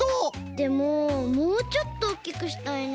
でももうちょっとおっきくしたいな。